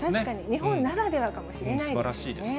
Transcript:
日本ならではなのかもしれないですね。